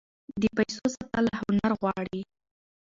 د پیسو ساتل هنر غواړي.